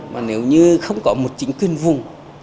mà nếu như không có một chính quyền vùng